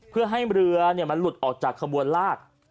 เพื่อให้เรือมันหลุดออกจากขบวนลาก